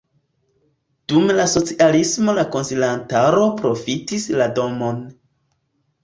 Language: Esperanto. Dum la socialismo la konsilantaro profitis la domon.